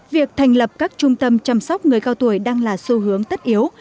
việc thành lập các trung tâm chăm sóc người cao tuổi đang là xu hướng tất yếu